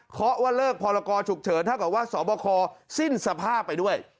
เคาะว่าเลิกพลกฉุกเฉินถ้าหากว่าสอบคอสิ้นสภาพไปด้วย